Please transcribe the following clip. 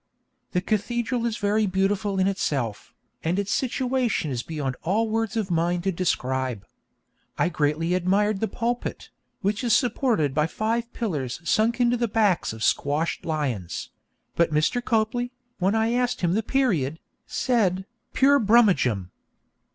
The cathedral is very beautiful in itself, and its situation is beyond all words of mine to describe. I greatly admired the pulpit, which is supported by five pillars sunk into the backs of squashed lions; but Mr. Copley, when I asked him the period, said, 'Pure Brummagem!'